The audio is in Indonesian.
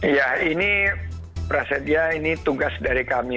ya ini prasetya ini tugas dari kami